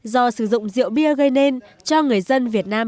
do sử dụng rượu bia gây nên cho người dân việt nam